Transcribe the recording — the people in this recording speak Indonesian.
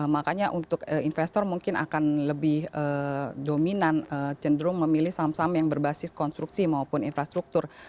makanya untuk investor mungkin akan lebih dominan cenderung memilih saham saham yang berbasis konstruksi maupun infrastruktur